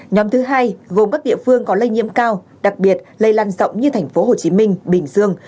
nhóm thứ hai gồm các địa phương có lây nhiễm cao đặc biệt lây lan rộng như thành phố hồ chí minh bình dương